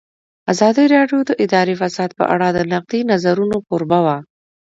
ازادي راډیو د اداري فساد په اړه د نقدي نظرونو کوربه وه.